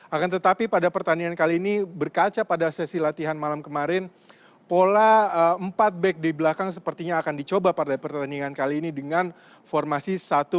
akan tetapi pada pertandingan kali ini berkaca pada sesi latihan malam kemarin pola empat back di belakang sepertinya akan dicoba pada pertandingan kali ini dengan formasi satu